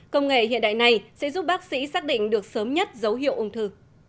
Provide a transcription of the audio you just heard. công nghệ hiện đại này sẽ giúp bác sĩ xác định được sớm nhất dấu hiệu ung thư